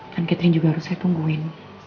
dan catherine juga harus saya tungguin